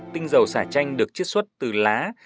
tinh dầu sả chanh được chiết xuất từ lá